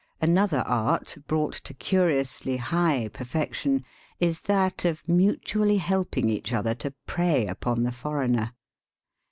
Another art, brought to curiously high perfection, is that of mutually helping each other to prey upon the foreigner.